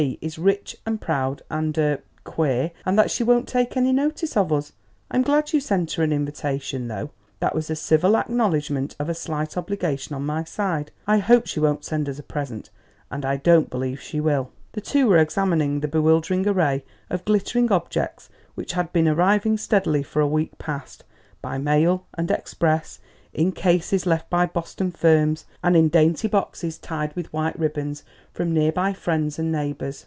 is rich and proud and er queer, and that she won't take any notice of us. I'm glad you sent her an invitation, though; that was a civil acknowledgment of a slight obligation on my side. I hope she won't send us a present, and I don't believe she will." The two were examining the bewildering array of glittering objects which had been arriving steadily for a week past, by mail and express; in cases left by Boston firms, and in dainty boxes tied with white ribbons from near by friends and neighbours.